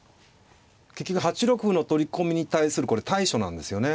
結局８六歩の取り込みに対するこれ対処なんですよね